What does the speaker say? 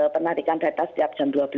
penarikan data setiap jam dua belas